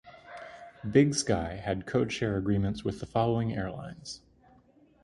Big Sky had code share agreements with the following airlines.